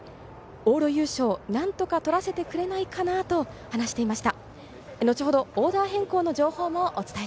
往路優勝を何とかとらせてくれないかなと話していました。